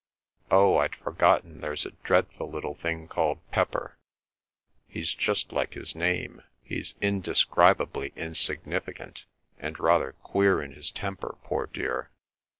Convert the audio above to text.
Oh, I'd forgotten there's a dreadful little thing called Pepper. He's just like his name. He's indescribably insignificant, and rather queer in his temper, poor dear.